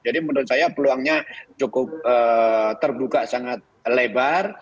jadi menurut saya peluangnya cukup terbuka sangat lebar